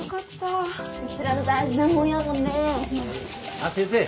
あっ先生。